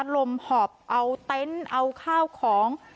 ลมหอบเอาเต็นต์เอาข้าวของ